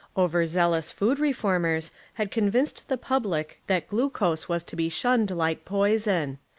Over zealous food reformers had convinced the public that glucose was to be shunned like poison.